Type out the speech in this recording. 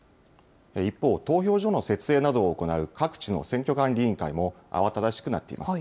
一方、投票所の設営などを行う各地の選挙管理委員会も慌ただしくなっています。